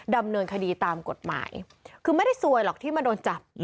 ดำเนินคดีตามกฎหมายคือไม่ได้ซวยหรอกที่มาโดนจับ